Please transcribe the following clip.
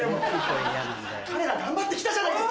彼ら頑張ってきたじゃないですか。